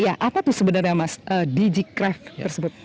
iya apa tuh sebenarnya mas digicraft tersebut